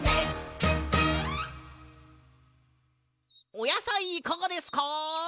おやさいいかがですか？